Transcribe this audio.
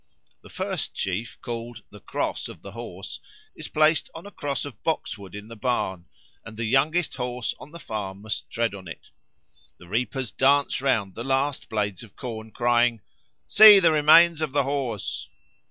The first sheaf, called the "Cross of the Horse," is placed on a cross of boxwood in the barn, and the youngest horse on the farm must tread on it. The reapers dance round the last blades of corn, crying, "See the remains of the Horse."